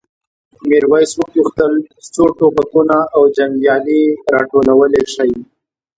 میرويس وپوښتل څو ټوپکونه او جنګیالي راټولولی شئ؟